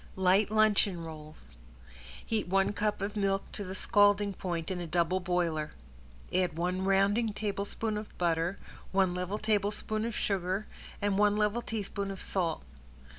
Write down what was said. ~LIGHT LUNCHEON ROLLS~ Heat one cup of milk to the scalding point in a double boiler, add one rounding tablespoon of butter, one level tablespoon of sugar, and one level teaspoon of salt.